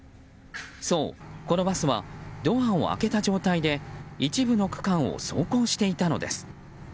そう、このバスはドアを開けた状態で一部の区間を走行していたのです。